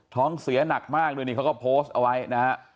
ท้องเสียหนักมากด้วยนี่เขาก็โพสต์เอาไว้นะฮะ